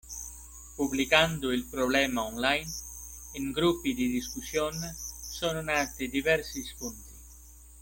Pubblicando il problema online, in gruppi di discussione, sono nati diversi spunti.